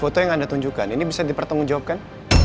foto yang anda tunjukkan ini bisa dipertanggung jawabkan